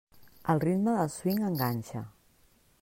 El ritme del swing enganxa.